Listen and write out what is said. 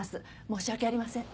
申し訳ありません。